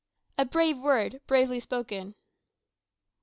"A brave word, bravely spoken."